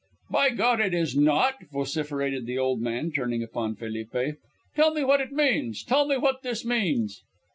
"By God, it is not!" vociferated the old man, turning upon Felipe. "Tell me what it means. Tell me what this means."